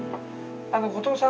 後藤さん？